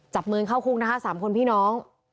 จับมือเข้าคุกนะคะ๓คนพี่น้อง